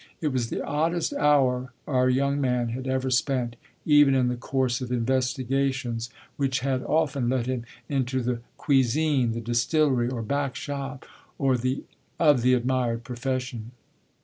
It was the oddest hour our young man had ever spent, even in the course of investigations which had often led him into the cuisine, the distillery or back shop, of the admired profession.